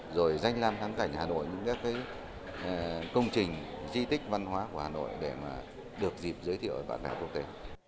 rồi danh làm thám cảnh hà nội những công trình di tích văn hóa của hà nội để được dịp giới thiệu vào đại hội quốc tế